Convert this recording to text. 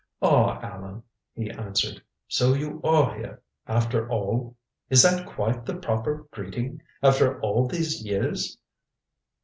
"Ah, Allan," he answered, "so you are here, after all? Is that quite the proper greeting after all these years?"